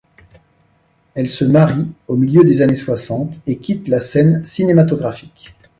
Elle se marie au milieu des années soixante et quitte la scène cinématographique.